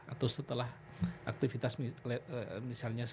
atau setelah aktivitas misalnya